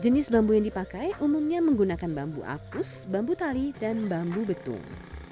jenis bambu yang dipakai umumnya menggunakan bambu apus bambu tali dan bambu betung